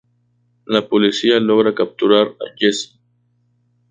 La policía logra capturar a Jesse.